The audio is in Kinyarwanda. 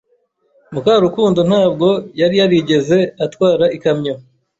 Mukarukundo ntabwo yari yarigeze atwara ikamyo.